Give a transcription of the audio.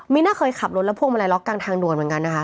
มีน่าเคยขับรถและพวงมาลัยล็อกกลางทางด่วนเหมือนกันนะคะ